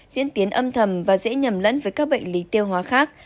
diễn tiến âm thầm và dễ nhầm lẫn với các bệnh lý tiêu hóa khác